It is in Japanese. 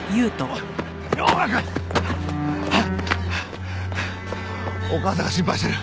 お母さんが心配してる。